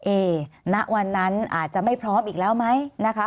ณวันนั้นอาจจะไม่พร้อมอีกแล้วไหมนะคะ